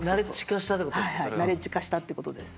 はいはいナレッジ化したってことです。